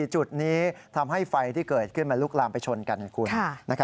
จุดนี้ทำให้ไฟที่เกิดขึ้นมันลุกลามไปชนกันให้คุณ